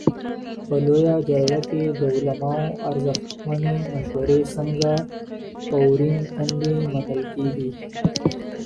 په لویه جرګه کي د علماوو ارزښتمني مشوري څنګه په ورین تندي منل کیږي؟